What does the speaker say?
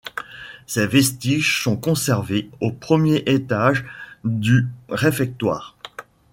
Ces vestiges sont conservés au premier étage du réfectoire.